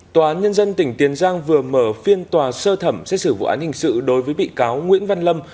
tòa án nhân dân tỉnh tiền giang vừa mở phiên tòa sơ thẩm xét xử vụ án hình sự đối với bị cáo nguyễn văn lâm